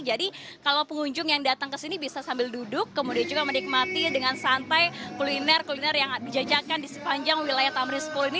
jadi kalau pengunjung yang datang ke sini bisa sambil duduk kemudian juga menikmati dengan santai kuliner kuliner yang dijajakan di sepanjang wilayah tamrin sepuluh ini